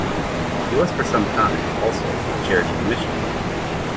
He was for some time, also, a charity commissioner.